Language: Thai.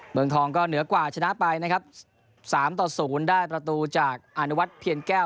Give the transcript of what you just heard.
เมืองทองก็เหนือกว่าชนะไปนะครับสามต่อศูนย์ได้ประตูจากอนุวัฒนเพียรแก้ว